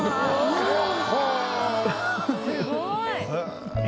すごい！